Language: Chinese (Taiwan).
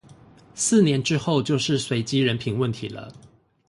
四年之後就是隨機人品問題了